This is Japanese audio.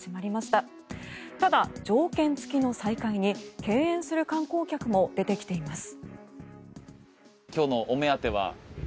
ただ、条件付きの再開に敬遠する観光客も出てきています。